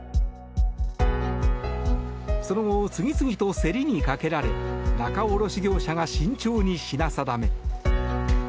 その後、次々と競りにかけられ仲卸業者が慎重に品定め。